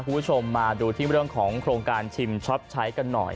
คุณผู้ชมมาดูที่เรื่องของโครงการชิมช็อปใช้กันหน่อย